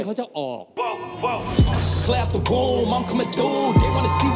พอดนตรีมาปุ๊บเนี่ย